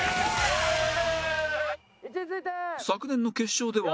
昨年の決勝では